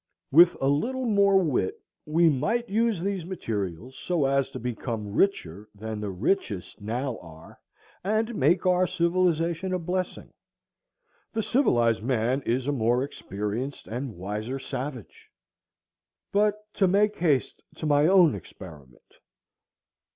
With a little more wit we might use these materials so as to become richer than the richest now are, and make our civilization a blessing. The civilized man is a more experienced and wiser savage. But to make haste to my own experiment.